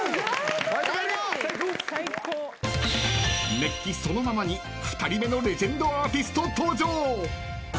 ［熱気そのままに２人目のレジェンドアーティスト登場！］